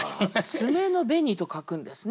「爪の紅」と書くんですね。